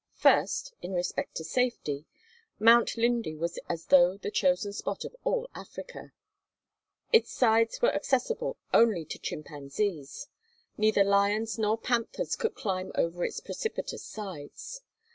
First, in respect to safety, Mount Linde was as though the chosen spot of all Africa. Its sides were accessible only to chimpanzees. Neither lions nor panthers could climb over its precipitous sides.